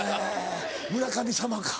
村神様か。